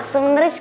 aduh biar allah